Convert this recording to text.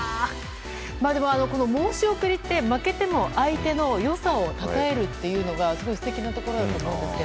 申し送りって負けても相手の良さをたたえるというのがすごい素敵なところだと思います。